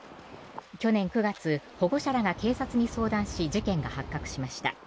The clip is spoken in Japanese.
去年９月保護者らが警察に相談し事件が発覚しました。